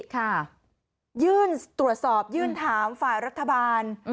ค่ะยื่นตรวจสอบยื่นถามฝ่ายรัฐบาล